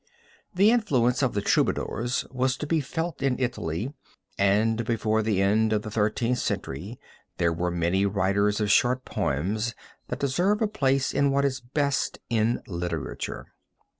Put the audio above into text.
The influence of the Troubadours was to be felt in Italy, and before the end of the Thirteenth Century there were many writers of short poems that deserve a place in what is best in literature.